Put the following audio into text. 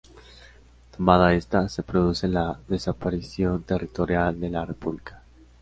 Tomada esta, se produce la desaparición territorial de la república.